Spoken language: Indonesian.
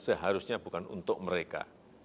seharusnya bukan untuk mereka